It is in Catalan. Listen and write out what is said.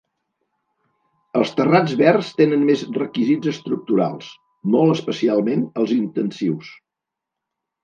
Els terrats verds tenen més requisits estructurals, molt especialment els intensius.